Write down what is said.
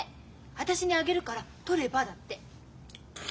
私にあげるからとればだって。